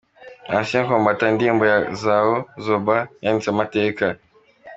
Ancien Combattant’, indirimbo ya Zao Zoba yanditse amateka.